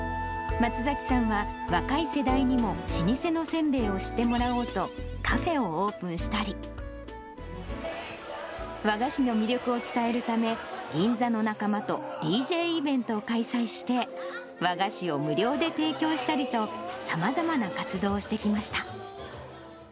松崎さんは若い世代にも老舗のせんべいを知ってもらおうと、カフェをオープンしたり、和菓子の魅力を伝えるため、銀座の仲間とＤＪイベントを開催して、和菓子を無料で提供したりと、さまざまな活動をしてきました。